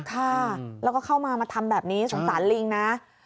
ข้าแล้วก็เข้ามามาทำแบบนี้ศูนย์สารลิงนะ